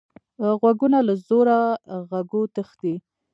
غوږونه له زوره غږو تښتي